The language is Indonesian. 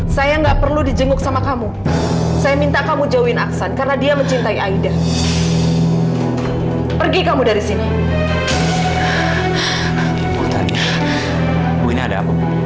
sampai jumpa di video selanjutnya